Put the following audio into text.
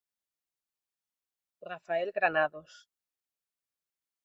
Rafael Granados.